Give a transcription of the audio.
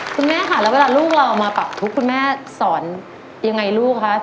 คุณแม่ค่ะแล้วเวลาลูกเรามาปรับทุกข์คุณแม่สอนยังไงลูกคะ